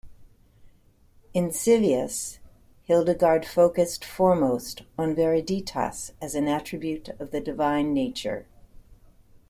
In "Scivias", Hildegard focused foremost on viriditas as an attribute of the divine nature.